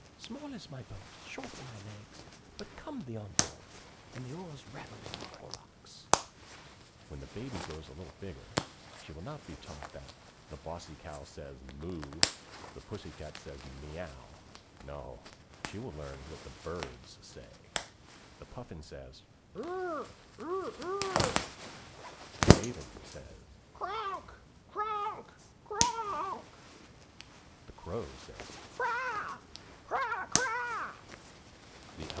'Small is my boat, short are my legs But come thee on board'; And the oars rattle in the oarlocks. When the Baby grows a little bigger, she will not be taught that 'the Bossy cow says, "Mo o o," the Pussy cat says, "Me ow."' No, she will learn what the birds say: The Puffin says, 'Ur r! UR R! UR R!' The Raven says, 'Kronk! KRONK! KRONK!' The Crow says, _'Kra!